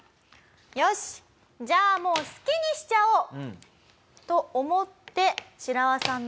「よしじゃあもう好きにしちゃおう」と思ってシラワさんの。